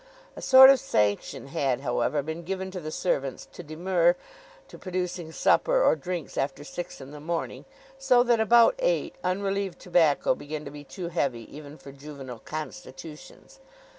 A sort of sanction had, however, been given to the servants to demur to producing supper or drinks after six in the morning, so that, about eight, unrelieved tobacco began to be too heavy even for juvenile constitutions.